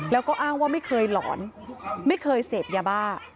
แล้วก็อ้างว่าไม่เคยหลอนไม่เคยเสพยาบ้า